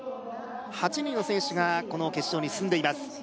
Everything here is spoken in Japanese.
８人の選手がこの決勝に進んでいます